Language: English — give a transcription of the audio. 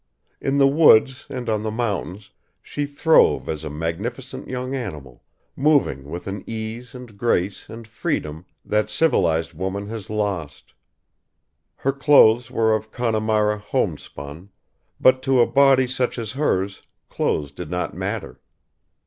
In the woods and on the mountains she throve as a magnificent young animal, moving with an ease and grace and freedom that civilised woman has lost. Her clothes were of Connemara homespun, but to a body such as hers, clothes did not matter.